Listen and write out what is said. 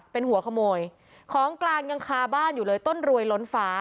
เป็นหัวขโมยของกลางยังคาบ้านอยู่เลยต้นรวยล้นฟ้า